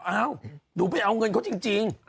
เอ้าหนูไปเอาเงินเขาจริง